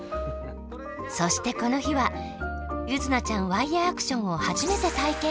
そしてこの日は柚凪ちゃんワイヤーアクションをはじめて体験。